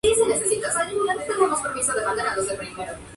Este territorio es una pequeña planicie rodeada de montañas.